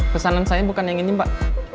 pesanan saya bukan yang ini mbak